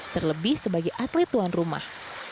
terlebih sebagai atlet tuan rumah